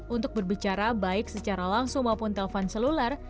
untuk berbicara baik secara langsung maupun telpon seluler